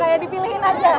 atau kayak dipilihin aja